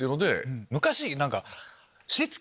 昔。